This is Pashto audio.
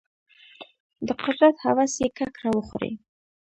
د قدرت هوس یې ککره وخوري.